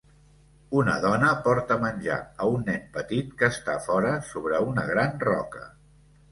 Una dona porta menjar a un nen petit que està fora sobre una gran roca.